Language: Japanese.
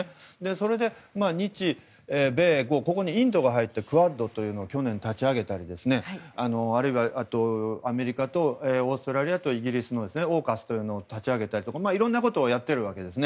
それで日米豪、ここにインドが入って、クアッドというのを去年立ち上げたりあるいは、アメリカとオーストラリアとイギリスのそういったものを立ち上げたりとかいろんなことをやっているんです。